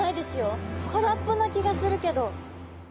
空っぽな気がするけど。